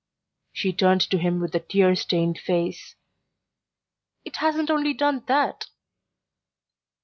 She turned to him with a tear stained face. "It hasn't only done that."